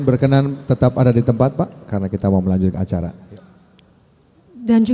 wassalamu'alaikum warahmatullahi wabarakatuh